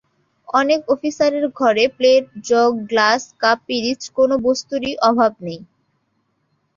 অনেক অফিসারের ঘরে প্লেট, জগ, গ্লাস, কাপ-পিরিচ কোনো বস্তুরই অভাব নেই।